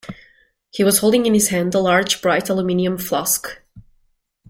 He was holding in his hand the large, bright aluminium flask.